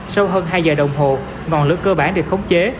sau hơn hai giờ đồng hồ ngọn lửa cơ bản được khống chế